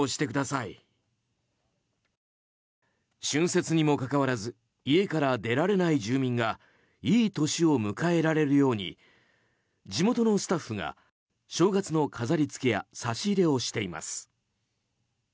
春節にもかかわらず家から出られない住民がいい年を迎えられるように地元のスタッフが正月の飾りつけや差し入れをしています。